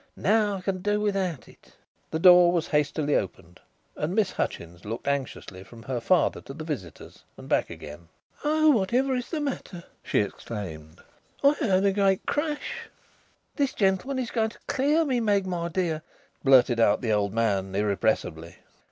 Now I can do without it." The door was hastily opened and Miss Hutchins looked anxiously from her father to the visitors and back again. "Oh, whatever is the matter?" she exclaimed. "I heard a great crash." "This gentleman is going to clear me, Meg, my dear," blurted out the old man irrepressibly.